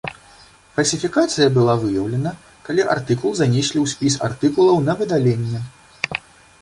Фальсіфікацыя была выяўлена, калі артыкул занеслі ў спіс артыкулаў на выдаленне.